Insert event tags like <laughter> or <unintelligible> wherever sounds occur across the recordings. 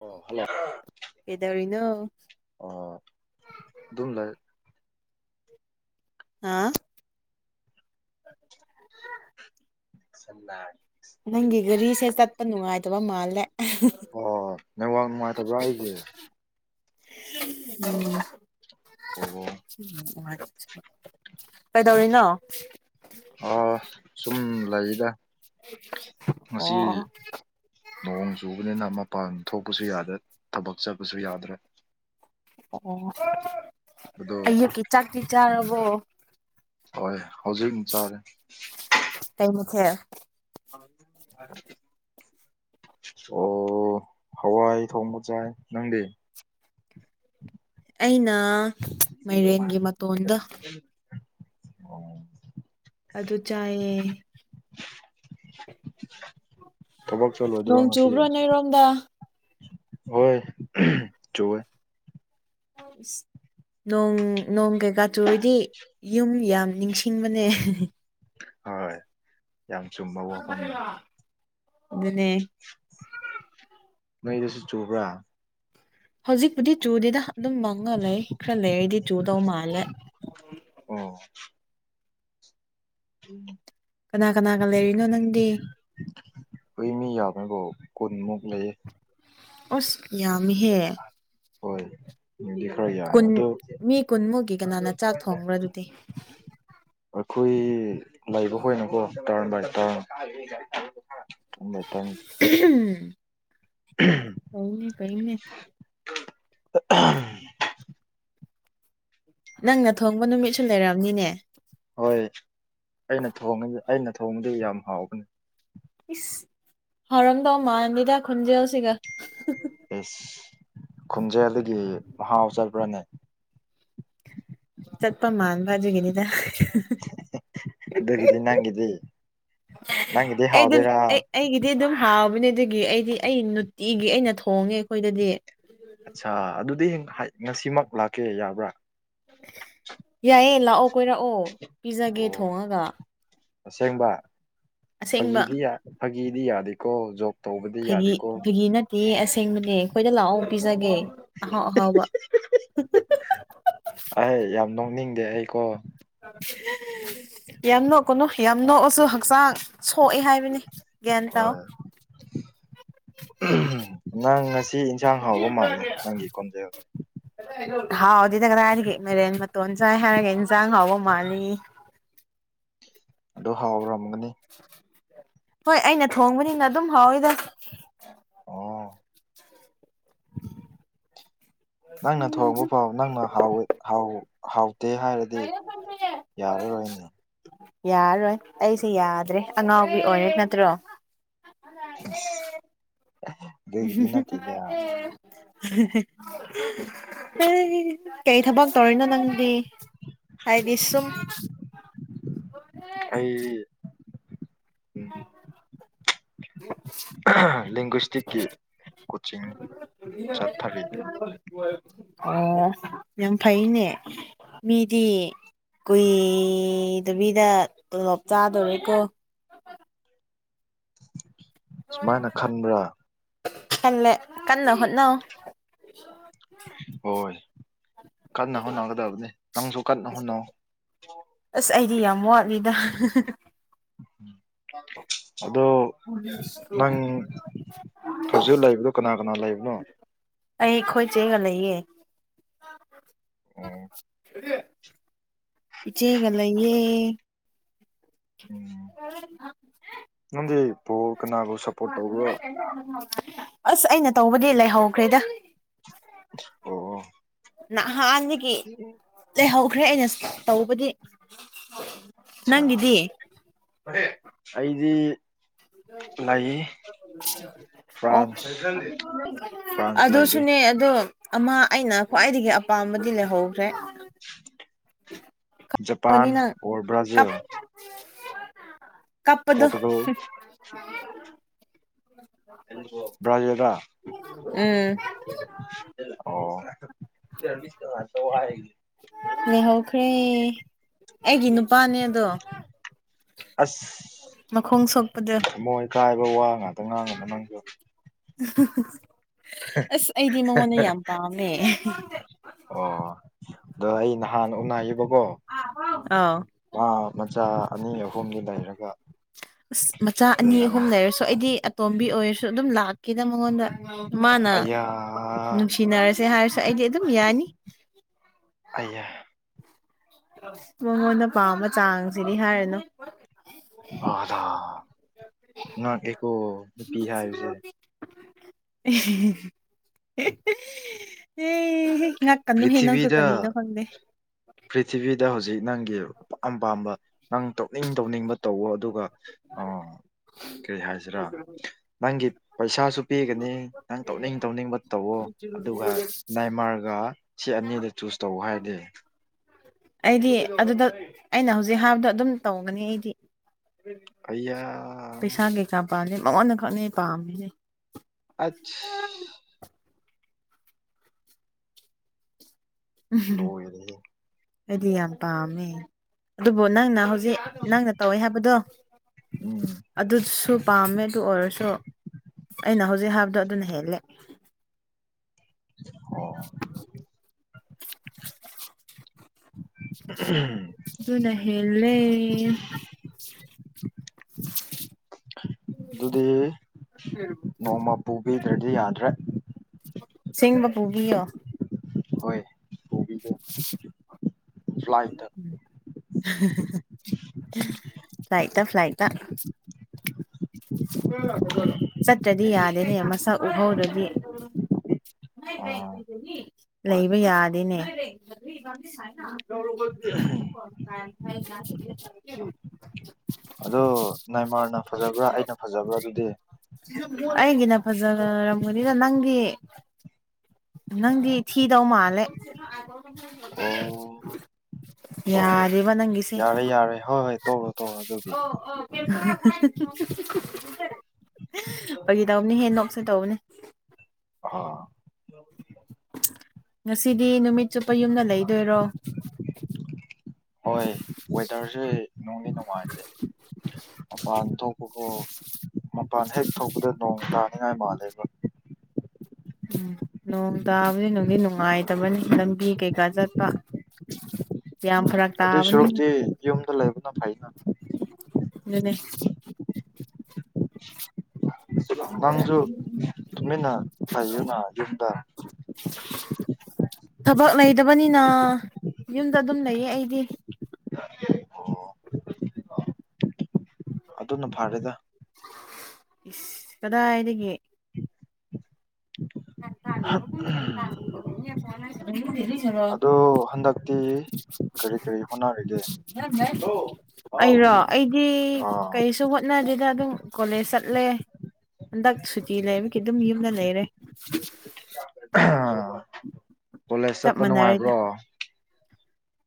ꯑꯣ ꯍꯜꯂꯣ ꯀꯩꯗꯧꯔꯤꯅꯣ ꯑꯣ ꯗꯨꯝꯂꯜ ꯍꯥꯥ ꯆꯂ ꯅꯪꯒꯤ ꯒꯥꯔꯤꯁꯦ ꯆꯠꯄ ꯅꯨꯡꯉꯥꯏꯇꯕ ꯃꯥꯜꯂꯦ ꯑꯣ ꯅꯋꯥꯥꯛ ꯅꯨꯡꯉꯥꯏꯇꯕ꯭ꯔꯥ ꯑꯩꯒꯤ ꯎꯝ ꯑꯣ ꯎ ꯀꯩꯗꯧꯔꯤꯅꯣ ꯑꯥ ꯁꯨꯝ ꯂꯩꯗ ꯉꯁꯤ ꯑꯣ ꯅꯣꯡꯣꯡ ꯆꯨꯕꯅꯤꯅ ꯃꯄꯥꯟ ꯊꯣꯛꯄꯁꯨ ꯌꯥꯗ꯭ꯔꯦ ꯊꯕꯛ ꯆꯠꯄꯁꯨ ꯌꯥꯗ꯭ꯔꯦ ꯑꯣ ꯑꯗꯣ ꯑꯩꯀꯤ ꯆꯥꯛꯇꯤ ꯆꯥꯔꯕꯣ ꯍꯣꯏ ꯍꯧꯖꯤꯛ ꯑꯃꯨ ꯆꯔꯦ ꯀꯩ ꯃꯊ ꯑ ꯑꯣ ꯍꯋꯥꯏ ꯊꯣꯡꯕꯖꯥꯏ ꯅꯪꯗꯤ ꯑꯩꯅ ꯃꯥꯏꯔꯦꯟꯒꯤ ꯃꯇꯣꯟꯗ ꯑꯣ ꯑꯗꯨ ꯆꯥꯏꯌꯦ ꯊꯕꯛ ꯆꯂꯣꯏꯗ꯭ꯔꯣ ꯅꯣꯡ ꯉꯁꯤ ꯆꯨꯕ꯭ꯔꯣ ꯅꯣꯏꯔꯣꯝꯗ ꯍꯣꯏ ꯣꯏ ꯅꯣꯡ ꯅꯣꯡ ꯀꯩꯀꯥ ꯆꯨꯔꯗꯤ ꯌꯨꯝ ꯌꯥꯝ ꯅꯤꯡꯁꯤꯡ ꯃ ꯍꯣꯏ ꯌꯥꯝ ꯆꯨꯝꯃ ꯑꯗꯨꯅꯦ ꯃꯩꯗꯨꯁꯨ ꯆꯨꯕ꯭ꯔꯥ ꯍꯧꯖꯤꯛꯄꯨꯗꯤ ꯆꯨꯗꯤꯗ ꯑꯗꯨꯝ ꯃꯪꯉ ꯂꯩ ꯈꯔ ꯂꯩꯔꯗꯤ ꯆꯨꯗꯧ ꯃꯥꯜꯂꯦ ꯑꯣ ꯎꯝ ꯀꯅꯥ ꯀꯅꯥꯒ ꯂꯩꯔꯤꯅꯣ ꯅꯪꯗꯤ ꯍꯣꯏ ꯃꯤ ꯌꯥꯃꯦꯕꯣ ꯀꯨꯟꯃꯨꯛ ꯂꯩꯌꯦ ꯑꯁ ꯌꯥꯝꯍꯦ ꯍꯣꯏ ꯎꯗꯤ ꯈꯔ ꯌꯥꯔꯦ ꯀꯨꯟ ꯑꯣ ꯃꯤ ꯀꯨꯟꯃꯨꯛꯀꯤ ꯀꯅꯥꯅ ꯆꯥꯛ ꯊꯣꯡꯕ꯭ꯔꯥ ꯑꯗꯨꯗꯤ ꯑꯩꯈꯣꯏ ꯂꯩꯕ ꯍꯣꯏꯅꯀꯣ ꯇꯥꯔꯟ ꯕꯥꯏ ꯇꯔꯟ ꯊ ꯊꯪ ꯎꯝ ꯎꯝ ꯀꯩꯅꯦ ꯀꯩꯅꯦ ꯎ ꯅꯪꯅ ꯊꯣꯡꯕ ꯅꯨꯃꯤꯠꯁꯨ ꯂꯩꯔꯝꯅꯤꯅꯦ ꯍꯣꯏ ꯑꯩꯅ ꯊꯣꯡꯉꯗꯤ ꯑꯩꯅ ꯊꯣꯡꯕꯗꯤ ꯌꯥꯝ ꯍꯥꯎꯕꯅꯤ ꯏꯁ ꯍꯔꯝꯗꯧ ꯃꯥꯗꯤꯗ ꯈꯨꯟꯖꯦꯜ ꯁꯤꯒ ꯑꯦꯁ ꯈꯟꯖꯦꯜꯗꯒꯤ ꯃꯍꯥꯎ ꯆꯠꯕ꯭ꯔꯅꯦ <unintelligible> ꯆꯠꯄ ꯃꯥꯅꯕꯖꯨꯒꯤꯅꯤꯗ ꯅꯪꯗꯦ ꯍꯥꯎꯗꯦꯔꯥ ꯑꯩ ꯑꯩꯒꯤꯗꯤ ꯑꯗꯨꯝ ꯍꯥꯎꯕꯅꯦ ꯑꯗꯨꯒꯤ ꯑꯩꯗꯤ ꯑꯩ ꯅꯨꯡꯇꯤꯒꯤ ꯑꯩꯅ ꯊꯣꯡꯉꯦ ꯑꯩꯈꯣꯏꯗꯗꯤ ꯑꯠꯆꯥ ꯑꯗꯨꯗꯤ ꯉꯁꯤꯃꯛ ꯂꯥꯛꯀꯦ ꯌꯥꯕ꯭ꯔꯥ ꯌꯥꯏꯌꯦ ꯂꯥꯛꯑꯣ ꯀꯣꯏꯔꯛꯑꯣ ꯄꯤꯖꯒꯦ ꯑꯣ ꯊꯣꯡꯉꯒ ꯑꯁꯦꯡꯕ ꯑꯁꯦꯡꯕ ꯐꯥꯒꯤꯗꯤ ꯌꯥ ꯐꯥꯒꯤꯗꯤ ꯌꯥꯗꯦꯀꯣ ꯖꯣꯛ ꯇꯧꯕꯗꯤ ꯐꯒꯤ ꯌꯥꯗꯦꯀꯣ ꯐꯒꯤ ꯅꯠ ꯀꯤ ꯑꯁꯦꯡꯕꯅꯦ ꯑꯩꯈꯣꯏꯗ ꯂꯥꯛꯑꯣ ꯄꯤꯖꯒꯦ ꯑꯍꯥꯎ ꯑꯍꯥꯎꯕ ꯑꯩ ꯌꯥꯝ ꯅꯣꯛꯅꯤꯡꯗꯦ ꯑꯩꯀꯣ <inaudible> ꯌꯥꯝ ꯅꯣꯛꯀꯅꯨ ꯌꯥꯝ ꯅꯣꯛꯑꯁꯨ ꯍꯛꯆꯥꯡ ꯁꯣꯛꯑꯦ ꯍꯥꯏꯕꯅꯤ ꯒ꯭ꯌꯥꯟ ꯇꯥꯎ ꯍꯣꯏ ꯅꯪ ꯉꯁꯤ ꯏꯟꯁꯥꯡ ꯍꯥꯎꯕ ꯃꯥꯜꯂꯦ ꯅꯪꯒꯤ ꯀꯣꯟꯖꯦꯜꯁꯦ ꯍꯥꯎꯗꯦꯗ ꯀꯗꯥꯥꯏꯗꯒꯤ ꯃꯦꯔꯦꯟ ꯃꯇꯣꯟ ꯆꯥꯏ ꯍꯥꯏꯔꯒ ꯏꯟꯁꯥꯡ ꯍꯥꯎꯕ ꯃꯥꯜꯂꯤꯌꯦ ꯑꯗꯨ ꯍꯥꯎꯔꯝꯒꯅꯤ ꯍꯣꯏ ꯑꯩꯅ ꯊꯣꯡꯕꯅꯤꯅ ꯑꯗꯨꯝ ꯍꯥꯎꯋꯤꯗ ꯑꯣ ꯅꯪꯅ ꯊꯕ ꯄꯥꯎ ꯅꯪꯅ ꯍꯥꯎꯋ ꯍꯥꯎꯋ ꯍꯥꯎꯇꯦ ꯍꯥꯏꯔꯗꯤ ꯌꯥꯔꯔꯣꯏꯅꯤ ꯌꯥꯔꯔꯣꯏ ꯑꯩꯁꯦ ꯌꯥꯗ꯭ꯔꯦ ꯑꯉꯥꯎꯕꯤ ꯑꯣꯏꯔꯦ ꯅꯠꯇ꯭ꯔꯣ <unintelligible> ꯁꯤꯁꯤ ꯅꯠꯇꯦꯗ ꯑꯦ ꯀꯩ ꯊꯕꯛ ꯇꯧꯔꯤꯅꯣ ꯅꯪꯗꯤ ꯍꯥꯏꯗꯤ ꯁꯨꯝ ꯑꯩ ꯂꯦꯡꯒ꯭ꯁꯇꯤꯛꯀꯤ ꯀꯣꯆꯤꯡ ꯆꯠꯊꯔꯤ ꯑꯣ ꯌꯥꯝ ꯐꯩꯅꯦ ꯃꯤꯗꯤ ꯀꯨꯏꯗꯕꯤꯗ ꯇꯣꯂꯣꯞ ꯆꯥꯗꯧꯔꯤꯦꯀꯣ ꯁꯨꯃꯥꯏꯅ ꯈꯟꯕ꯭ꯔꯥ ꯈꯜꯂꯦ ꯀꯟꯅ ꯍꯠꯅꯧ ꯍꯣꯏ ꯀꯟꯅ ꯍꯣꯠꯅꯒꯗꯕꯅꯤ ꯅꯪꯁꯨ ꯀꯟꯅ ꯍꯣꯠꯅꯧ ꯑꯁ ꯑꯩꯗꯤ ꯌꯥꯝ ꯋꯥꯠꯂꯤꯗ ꯑꯗꯣ ꯅꯪ ꯍꯧꯖꯤꯛ ꯂꯩꯕꯗꯣ ꯀꯅꯥ ꯀꯅꯥ ꯂꯩꯕꯅꯣ ꯑꯩ ꯑꯩꯈꯣꯏ ꯆꯦꯒ ꯂꯩꯌꯦ ꯎꯝ ꯏꯆꯦ ꯒ ꯂꯩꯌꯦ ꯎꯝ <inaudible> ꯅꯪꯗꯤ ꯕꯣꯜ ꯀꯅꯥꯕꯨ ꯁꯞꯄꯣꯔꯠ ꯇꯧꯕ꯭ꯔꯣ ꯑꯁ ꯑꯩꯅ ꯇꯧꯕꯗꯤ ꯂꯩꯍꯧꯈ꯭ꯔꯦꯗ ꯑꯣꯑꯣ ꯅꯍꯥꯟꯗꯒꯤ ꯂꯩꯍꯧꯈ꯭ꯔꯦ ꯑꯩꯅ ꯇꯧꯕꯗꯤ ꯑꯁꯥ ꯅꯪꯒꯤꯗꯤ ꯑꯩꯗꯤ ꯂꯩ <unintelligible> ꯑꯣ ꯐ꯭ꯔꯥꯟꯁ ꯐ꯭ꯔꯥꯟꯁ ꯂꯩꯔꯤ ꯑꯗꯨꯁꯨꯅꯦ ꯑꯗꯣ ꯑꯃ ꯑꯩꯅ ꯈ꯭ꯋꯥꯏꯗꯒꯤ ꯑꯄꯥꯝꯕꯗꯤ ꯂꯩꯍꯧꯗꯈ꯭ꯔꯦ ꯖꯄꯥꯟ ꯅꯤ ꯅꯪ ꯑꯣꯔ ꯀꯞ ꯕ꯭ꯔꯥꯖꯤꯜ ꯀꯞꯄꯗꯣ ꯄꯣꯔꯇꯨꯒꯜ ꯕ꯭ꯔꯥꯖꯤꯜꯔ ꯎꯝ ꯑꯣ <unintelligible> ꯂꯩꯍꯧꯈ꯭ꯔꯦ ꯑꯩꯒꯤ ꯅꯨꯄꯥꯅꯦ ꯑꯗꯣ ꯑꯁ ꯃꯈꯣꯡ ꯁꯣꯛꯄꯗꯨ ꯊꯃꯣꯏ ꯀꯥꯏꯕ ꯋꯥ ꯉꯥꯛꯇ ꯉꯥꯡꯒꯅꯨ ꯅꯪꯖꯨ ꯑꯁ ꯑꯩꯗꯤ ꯃꯉꯣꯟꯗ ꯌꯥꯝ ꯄꯥꯝꯃꯦ ꯑꯣ ꯑꯗꯣ ꯑꯩ ꯅꯍꯥꯟ ꯎꯅꯌꯦꯕꯀꯣ ꯑꯥꯎ <unintelligible> ꯃꯆꯥ ꯑꯅꯤ ꯑꯍꯨꯝꯗꯤ ꯂꯩꯔꯒ ꯏꯁ ꯃꯆꯥ ꯑꯅꯤ ꯑꯍꯨꯝ ꯂꯩꯔꯝꯃꯦ ꯂꯩꯔꯁꯨ ꯑꯩꯗꯤ ꯇꯣꯝꯕꯤ ꯑꯣꯏꯔꯁꯨ ꯑꯗꯨꯝ ꯂꯥꯛꯀꯦꯅ ꯃꯉꯣꯟꯗ ꯃꯥꯅ ꯑꯌꯥ ꯅꯨꯡꯁꯤ__ ꯇꯤꯟꯅꯔꯁꯦ ꯍꯥꯏꯔꯁꯨ ꯑꯩꯗꯤ ꯑꯗꯨꯝ ꯌꯥꯅꯤ ꯑꯌꯥ ꯃꯉꯣꯟꯗ ꯄꯥꯝꯕ ꯆꯥꯡꯁꯤꯗꯤ ꯍꯥꯏꯔꯅꯨ ꯍꯥꯗ <unintelligible> <unintelligible> ꯍꯥꯏꯕꯁꯦ ꯉꯥꯛꯀꯅꯨꯍꯦ ꯅꯪꯁꯨ ꯄ꯭ꯔꯤꯊꯤꯕꯤꯗ ꯀꯔꯤꯅꯣ ꯈꯪꯗꯦ ꯄ꯭ꯔꯤꯊꯤꯕꯤꯗ ꯍꯧꯖꯤꯛ ꯅꯪꯒꯤ ꯑꯄꯥꯝ ꯄꯥꯝꯕ ꯅꯪ ꯇꯧꯅꯤꯡ ꯇꯧꯅꯤꯡꯕ ꯇꯧꯋꯣ ꯑꯗꯨꯒ ꯑꯣ ꯀꯩ ꯍꯥꯏꯁꯤꯔꯥ ꯅꯪꯒꯤ ꯄꯩꯁꯥꯁꯨ ꯄꯤꯒꯅꯤ ꯅꯪ ꯇꯧꯅꯤꯡ ꯇꯧꯅꯤꯡꯕ ꯇꯧꯋꯣ ꯑꯗꯨꯒ ꯅꯥꯏꯃꯥꯔ ꯑꯗꯨꯒ ꯁꯤ ꯑꯅꯤꯗ ꯆꯨꯁ ꯇꯧ ꯍꯥꯏꯔꯗꯤ ꯑꯩꯗꯤ ꯑꯗꯨꯗ ꯑꯩꯅ ꯍꯧꯖꯤꯛ ꯍꯥꯏꯕꯗꯣ ꯑꯗꯨꯝ ꯇꯧꯒꯅꯤ ꯑꯩꯗꯤ ꯑꯩꯌꯥ ꯄꯩꯁꯥ ꯀꯩꯀꯥ ꯄꯥꯜꯂꯤ ꯃꯉꯣꯟꯗ ꯈꯛꯅꯦ ꯄꯥꯝꯃꯤꯁꯦ ꯑꯠꯁ ꯎꯝ ꯂꯣꯏꯔꯦꯍꯦ ꯑꯩꯗꯤ ꯌꯥꯝ ꯄꯥꯝꯃꯦ ꯑꯗꯨꯕꯨ ꯅꯪꯅ ꯍꯧꯖꯤꯛ ꯗꯤ ꯅꯪꯅ ꯇꯧꯋꯦ ꯍꯥꯏꯕꯗꯣ ꯎꯝ ꯑꯗꯨꯁꯨ ꯄꯥꯝꯃꯦ ꯑꯗꯨ ꯑꯣꯏꯔꯁꯨ ꯑꯩꯅ ꯍꯧꯖꯤꯛ ꯍꯥꯏꯕꯗꯣ ꯑꯗꯨꯅ ꯍꯦꯜꯂꯦ <inaudible> <inaudible> <unintelligible> ꯑꯗꯨꯅ ꯍꯦꯜꯂꯦ ꯑꯗꯨꯗꯤ ꯅꯣꯡꯃ ꯄꯨꯕꯤꯗ꯭ꯔꯗꯤ ꯌꯥꯗ꯭ꯔꯦ ꯁꯦꯡꯕ ꯄꯨꯕꯤ ꯌꯣ ꯍꯣꯏ ꯄꯨꯕꯤꯒꯦ ꯐ꯭ꯂꯥꯏꯠꯇ <unintelligible> ꯐ꯭ꯂꯥꯏꯇ ꯐ꯭ꯂꯥꯏꯇ <unintelligible> ꯆꯠꯇ꯭ꯔꯗꯤ ꯌꯥꯗꯦ ꯍꯥꯏꯌꯦ ꯃꯁꯛ ꯎꯠꯍꯧꯗ꯭ꯔꯗꯤ ꯑꯥ <unintelligible> ꯍꯣꯏ ꯂꯩꯕ ꯌꯥꯗꯦꯅꯦ <unintelligible> ꯑꯗꯣ ꯅꯦꯌꯃꯥꯔꯅ ꯐꯖꯕ꯭ꯔꯥ ꯑꯩꯅ ꯐꯖꯕ꯭ꯔꯥ ꯑꯗꯨꯗꯤ ꯑꯩꯒꯤꯅ ꯐꯖꯔꯝꯒꯅꯤꯗ ꯅꯪꯗꯤ ꯅꯪꯗꯤ ꯊꯤꯗꯧ ꯃꯥꯜꯂꯦ ꯑꯣ ꯍꯣꯏ <unintelligible> ꯍꯣꯏ ꯌꯥꯔꯦꯕ ꯅꯪꯒꯤꯁꯦ ꯌꯥꯔꯦ ꯌꯥꯔꯦ ꯍꯣꯏ ꯍꯣꯏ ꯇꯣꯛꯑꯣ ꯇꯣꯛꯑꯣ ꯑꯗꯨꯒꯤ <unintelligible> ꯐꯥꯒꯤ ꯇꯧꯕ ꯅꯦꯍꯦ ꯅꯣꯛꯁꯦ ꯇꯧꯕꯅꯦ ꯑꯣ <inaudible> ꯉꯁꯤꯗꯤ ꯅꯨꯃꯤꯠ ꯆꯨꯞꯄ ꯌꯨꯝꯅ ꯂꯩꯗꯣꯏꯔꯣ ꯍꯣꯏ ꯋꯦꯗꯔꯁꯦ ꯅꯨꯡꯗꯤ ꯅꯨꯡꯉꯥꯏꯇꯦ ꯃꯄꯥꯟ ꯊꯣꯛꯄꯕꯨ ꯃꯄꯥꯟ ꯍꯦꯛ ꯊꯣꯛꯄꯗ ꯅꯣꯡ ꯇꯥꯅꯤꯡꯉꯥꯏ ꯃꯥꯜꯂꯦꯕ ꯎꯝ ꯅꯣꯡ ꯇꯥꯕꯗꯤ ꯅꯨꯡꯗꯤ ꯅꯨꯡꯉꯥꯏꯇꯕꯅꯤ ꯂꯝꯕꯤ ꯀꯩꯀꯥ ꯆꯠꯄ ꯌꯥꯝ ꯎꯝ ꯐꯔꯛ ꯑꯗꯨꯏ ꯇꯥꯕꯅꯤ ꯁꯔꯨꯛꯇꯤ ꯌꯨꯝꯗ ꯂꯩꯕꯅ ꯐꯩꯗ ꯑꯗꯨꯅꯦ <unintelligible> ꯅꯪꯁꯨ ꯇꯨꯃꯤꯟꯅ ꯂꯩꯌꯨꯅ ꯌꯨꯝꯗ ꯊꯕꯛ ꯂꯩꯗꯕꯅꯤꯅ ꯌꯨꯝꯗ ꯑꯗꯨꯝ ꯂꯩꯌꯦ ꯑꯩꯗꯤ <unintelligible> ꯑꯗꯨꯅ ꯐꯔꯦꯗ ꯏꯁ ꯀꯗꯥꯏꯗꯒꯤ <unintelligible> ꯑꯗꯣ ꯍꯟꯗꯛꯇꯤ ꯀꯔꯤ ꯀꯔꯤ ꯍꯣꯠꯅꯔꯤꯒꯦ ꯑꯩꯔꯣ ꯑꯩꯗꯤ ꯑꯥ ꯀꯩꯁꯨ ꯍꯣꯠꯅꯗꯦꯗ ꯑꯗꯨꯝ ꯀꯣꯂꯦꯖ ꯆꯠꯂꯦ ꯍꯟꯗꯛ ꯁꯨꯇꯤ ꯂꯩꯕꯒꯤ ꯑꯗꯨꯝ ꯌꯨꯝꯗ ꯂꯩꯔꯦ <unintelligible> ꯀꯣꯂꯦꯖ ꯆꯞ ꯆꯠꯄ ꯃꯥꯟꯅꯔꯦꯗ ꯅꯨꯡꯉꯥꯏꯕ꯭ꯔꯣ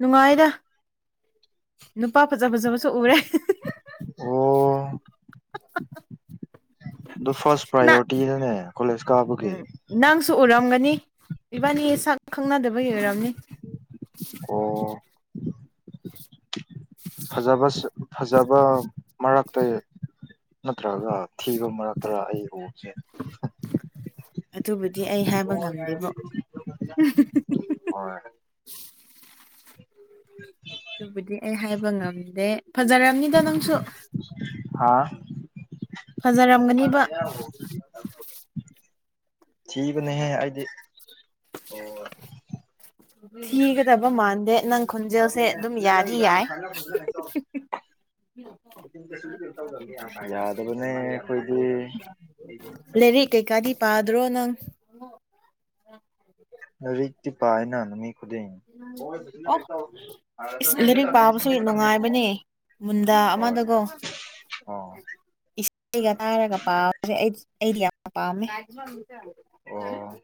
ꯅꯨꯡꯉꯥꯏꯗ ꯅꯨꯄꯥ ꯐꯖ ꯐꯖꯕꯁꯨ ꯎꯔꯦ ꯑꯣ ꯑꯗꯨ ꯐꯥꯔꯁ ꯅꯪ ꯄ꯭ꯔꯥꯏꯌꯣꯔꯤꯇꯤꯔꯅꯦ ꯀꯣꯂꯦꯖ ꯀꯥꯕꯒꯤ ꯎꯝ ꯅꯪꯁꯨ ꯎꯔꯝꯒꯅꯤ ꯏꯕꯥꯅꯤ ꯁꯛ ꯈꯪꯅꯗꯕꯒꯤ ꯑꯣꯏꯔꯝꯅꯤ ꯑꯣ ꯐꯖꯕ ꯐꯖꯕ ꯐꯖꯕ ꯃꯔꯛꯇ ꯅꯠꯇ꯭ꯔꯒ ꯊꯤꯕ ꯃꯔꯛꯇꯔꯥ ꯑꯩ ꯎꯕꯁꯦ ꯑꯗꯨꯕꯨꯗꯤ ꯑꯩ ꯍꯥꯏꯕ ꯉꯝꯗꯦꯕꯣ <unintelligible> ꯍꯣꯏ ꯑꯗꯨꯕꯨꯗꯤ ꯑꯩ ꯍꯥꯏꯕ ꯉꯝꯗꯦ ꯐꯖꯔꯝꯅꯤꯗ ꯅꯪꯁꯨ ꯍꯥꯥ ꯐꯖꯔꯝꯒꯅꯤꯕ <unintelligible> ꯊꯤꯕꯅꯦꯍꯦ ꯑꯩꯗꯤ ꯊꯤꯒꯗꯕ ꯃꯥꯥꯟꯗꯦ ꯅꯪ ꯈꯣꯟꯖꯦꯜꯁꯦ ꯑꯗꯨꯝ ꯌꯥꯗꯤ ꯌꯥꯏ <unintelligible> <unintelligible> ꯌꯥꯗꯕꯅꯦ ꯑꯩꯈꯣꯏꯗꯤ <unintelligible> ꯇꯩꯀꯥꯗꯤ ꯄꯥꯗ꯭ꯔꯣ ꯅꯪ ꯂꯥꯏꯔꯤꯛꯇꯤ ꯄꯥꯏꯌꯦꯅ ꯑꯣ ꯏꯁ ꯀꯩꯝꯇ ꯂꯥꯏꯔꯤꯛ ꯇꯧ ꯄꯥꯕꯁꯨ ꯀꯣꯔꯁꯟꯒꯤ ꯃꯇꯝꯅꯦꯕꯀꯣ ꯅꯨꯡꯉꯥꯏꯕꯅꯦ ꯃꯨꯟꯗꯥ ꯍꯣꯏ ꯑꯃꯗꯀꯣ ꯑꯣ ꯏꯁꯩ ꯇꯥꯔꯒ ꯄꯥꯕꯁꯦ ꯑꯩ ꯑꯩꯗꯤ ꯌꯥꯝꯅ ꯄꯥꯝꯃꯦ ꯑꯣ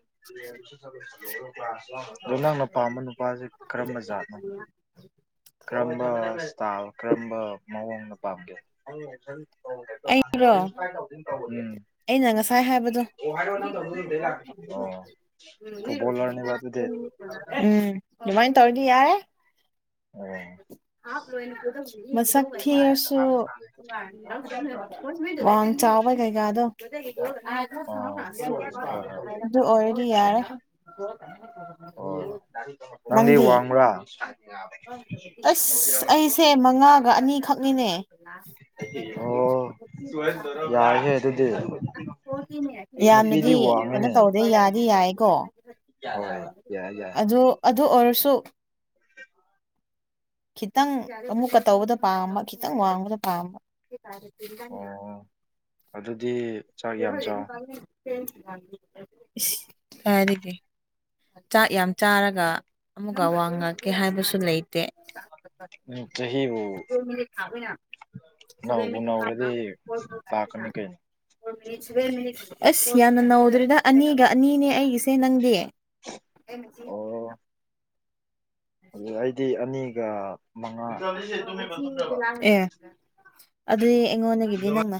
ꯑꯗꯣ ꯅꯪꯅ ꯄꯥꯝꯕ ꯅꯨꯄꯥꯁꯦ ꯀꯔꯝꯕ ꯖꯥꯠꯅꯣ ꯀꯔꯝꯕ ꯏꯁꯇꯥꯜ ꯀꯔꯝꯕ ꯃꯑꯣꯡꯗ ꯄꯥꯝꯒꯦ ꯑꯩꯔꯣ <unintelligible> ꯑꯩꯅ ꯉꯁꯥꯏ ꯍꯥꯏꯕꯗꯣ ꯎꯝ ꯑꯣ ꯐꯨꯠꯕꯣꯂꯔꯅꯦꯕ ꯑꯗꯨꯗꯤ <unintelligible> ꯗꯨꯃꯥꯏ ꯇꯧꯔꯗꯤ ꯌꯥꯔꯦ ꯃꯁꯛ ꯊꯤꯔꯥꯁꯨ ꯋꯥꯡ ꯆꯥꯎꯕ ꯀꯩꯀꯥꯗꯣ ꯑꯣ ꯑꯣ ꯑꯗꯨ ꯑꯣꯏꯔꯗꯤ ꯌꯥꯔꯦ ꯆꯨꯝꯃꯦ ꯑꯣ ꯅꯪꯗꯤ ꯋꯥꯡꯕ꯭ꯔꯥ ꯑꯁ ꯑꯩꯁꯦ ꯃꯉꯥꯒ ꯑꯅꯤꯈꯛꯅꯤꯅꯦ ꯑꯣ ꯌꯥꯏꯌꯦ ꯑꯗꯨꯗꯤ ꯅꯨꯄꯤꯗꯤ ꯌꯥꯝꯅꯗꯤ ꯀꯩꯅꯣ ꯋꯥꯡꯉꯤꯅꯦ ꯇꯧꯗꯦ ꯍꯣꯏ ꯌꯥꯗꯤ ꯌꯥꯏꯀꯣ ꯌꯥꯏ ꯌꯥꯏ ꯑꯗꯨ ꯑꯗꯨ ꯑꯣꯏꯔꯁꯨ ꯈꯤꯇꯪ ꯑꯃꯨꯛꯀ ꯇꯧꯕꯗ ꯄꯥꯝꯕ ꯈꯤꯇꯪ ꯋꯥꯡꯕꯗꯣ ꯄꯥꯝꯕ <unintelligible> ꯑꯣ ꯑꯗꯨꯗꯤ ꯆꯥꯛ ꯌꯥꯝ ꯆꯥꯎ <unintelligible> ꯆꯥꯛ ꯌꯥꯝ ꯆꯥꯔꯒ ꯑꯃꯨꯀꯥ ꯋꯥꯉꯥꯡꯉꯛꯀꯦ ꯍꯥꯏꯕꯁꯨ ꯂꯩꯇꯦ ꯎꯝ ꯆꯍꯤꯕꯨ ꯅꯧꯕꯨ ꯅꯧꯔꯗꯤ ꯄꯥꯀꯅꯤ ꯀꯩꯅꯣ ꯑꯁ ꯌꯥꯝꯅ ꯅꯧꯎꯗ꯭ꯔꯦꯗ ꯑꯅꯤꯒ ꯑꯅꯤꯅꯦ ꯑꯩꯁꯦ ꯅꯪꯗꯤ ꯑꯣ ꯑꯗꯨ ꯑꯩꯗꯤ ꯑꯅꯤꯒ ꯃꯉꯥ ꯑꯦ ꯑꯗꯨꯗꯤ ꯑꯩꯉꯣꯟꯗꯒꯤꯗꯤ ꯅꯪꯅ